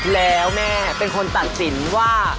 แล้วแม่เป็นคนตัดสินว่า